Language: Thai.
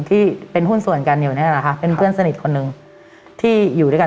ที่เป็นหุ้นส่วนกันอยู่นี่แหละค่ะเป็นเพื่อนสนิทคนหนึ่งที่อยู่ด้วยกัน